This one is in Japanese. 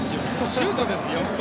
シュートですよ。